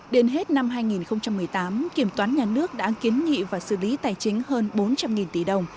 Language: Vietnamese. đến hết năm hai nghìn một mươi tám kiểm toán nhà nước đã kiến nghị và xử lý tài chính hơn bốn trăm linh tỷ đồng